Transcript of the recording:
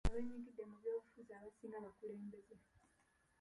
Abeenyigidde mu by'obufuzi abasinga bakulembeze.